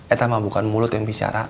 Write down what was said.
itu bukan mulut yang bicara